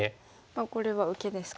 これは受けですか。